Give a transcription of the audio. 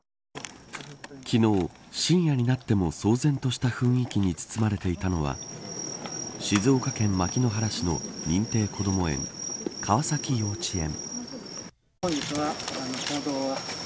昨日、深夜になっても騒然とした雰囲気に包まれていたのは静岡県牧之原市の認定こども園川崎幼稚園。